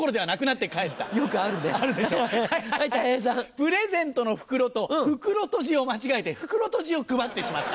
プレゼントの袋と袋とじを間違えて袋とじを配ってしまった。